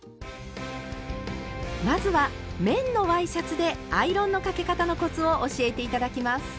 まずは綿のワイシャツで「アイロンのかけ方のコツ」を教えて頂きます。